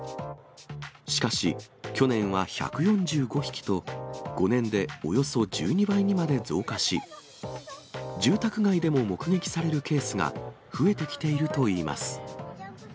しかし、去年は１４５匹と、５年でおよそ１２倍にまで増加し、住宅街でも目撃されるケースが増えてきているといいます。